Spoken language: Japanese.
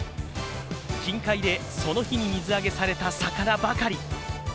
近海でその日に水揚げされた魚ばかり。